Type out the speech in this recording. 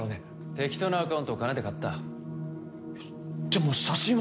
適当なアカウントを金で買ったでも写真は？